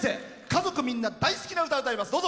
家族みんなが大好きな歌を歌います。